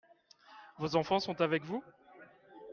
Vos enfants sont avec vous ?